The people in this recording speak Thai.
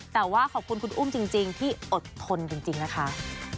แต่ว่าขอบคุณคุณอุ้มจริงที่อดทนจริงนะคะ